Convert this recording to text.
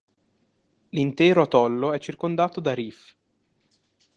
L'intero atollo è circondato da reef.